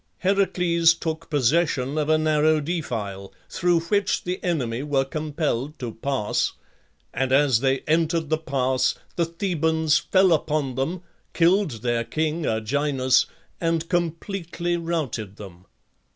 Heracles took possession of a narrow defile through which the enemy were compelled to pass, and as they entered the pass the Thebans fell upon them, killed their king Erginus, and completely routed them.